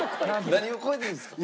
何を超えてるんですか？